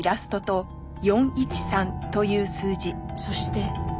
そして